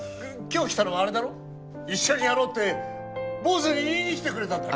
今日来たのはあれだろ一緒にやろうって坊主に言いに来てくれたんだろ？